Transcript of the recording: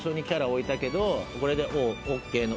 これで「Ｏ」。